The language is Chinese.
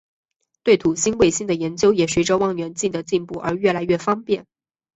对土星卫星的研究也随着望远镜的进步而越来越方便。